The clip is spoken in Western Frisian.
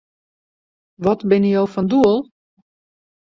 Wat binne jo fan doel?